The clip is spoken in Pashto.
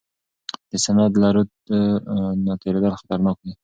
د سند له رود نه تیریدل خطرناک دي.